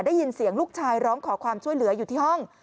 ได้ยินเสียงลูกชายร้องขอความช่วยเหลืออยู่ที่ห้อง